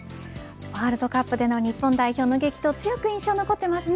ワールドカップでの日本代表の激闘強く印象に残ってますね。